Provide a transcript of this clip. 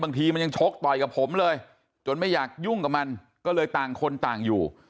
บางทีมันยังชกต่อยกับผมเลยจนไม่อยากยุ่งกับมันก็เลยต่างคนต่างอยู่